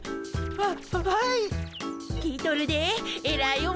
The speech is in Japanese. あっ。